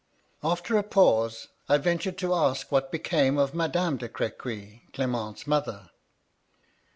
After a pause, I ventured to ask what became of Madame de Crequy, Clement's mother.